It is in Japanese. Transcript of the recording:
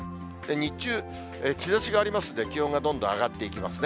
日中、日ざしがありますんで、気温がどんどん上がっていきますね。